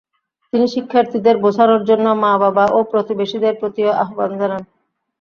তিনি শিক্ষার্থীদের বোঝানোর জন্য মা বাবা ও প্রতিবেশীদের প্রতিও আহ্বান জানান।